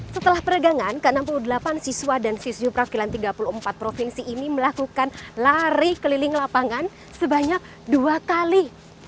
setelah peregangan ke enam puluh delapan siswa dan siswi prafilan tiga puluh empat provinsi ini melakukan lari keliling lapangan sebanyak dua kali